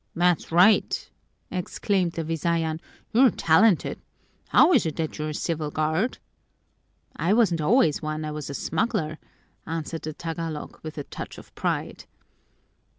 "That's right!" exclaimed the Visayan. "You're talented blow is it that you're a civil guard?" "I wasn't always one; I was a smuggler," answered the Tagalog with a touch of pride.